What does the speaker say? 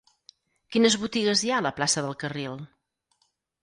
Quines botigues hi ha a la plaça del Carril?